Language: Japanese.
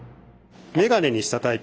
メガネにしたタイプ。